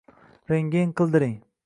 Rentgen qildiring.